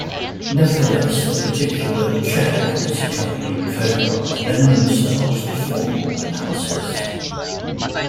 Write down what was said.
Nevertheless the particular chair and its accompanying photograph lend themselves to formal analysis.